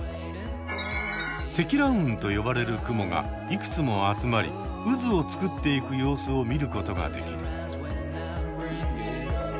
積乱雲と呼ばれる雲がいくつも集まり渦を作っていく様子を見ることができる。